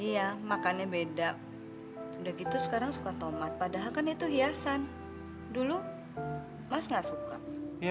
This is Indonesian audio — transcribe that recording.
iya makannya beda udah gitu sekarang suka tomat padahal kan itu hiasan dulu mas gak suka